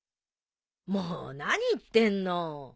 もう何言ってんの！